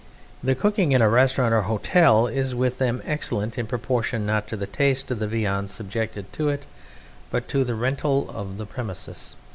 The cooking in a restaurant or hotel is with them excellent in proportion, not to the taste of the viands subjected to it, but to the rental of the premises.